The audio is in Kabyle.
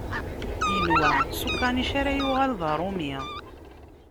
Yenwa s ukanic ara yuɣal d aṛumi.